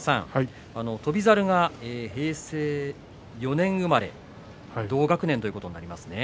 翔猿が平成４年生まれ同学年ということになりますね。